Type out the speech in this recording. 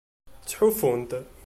Ttḥufun-t.